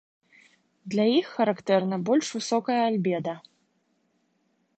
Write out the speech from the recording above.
Для іх характэрна больш высокае альбеда.